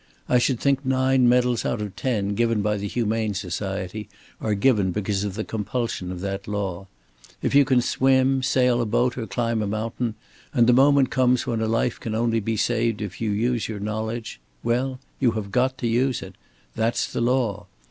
I should think nine medals out of ten given by the Humane Society are given because of the compulsion of that law. If you can swim, sail a boat, or climb a mountain, and the moment comes when a life can only be saved if you use your knowledge well, you have got to use it. That's the law.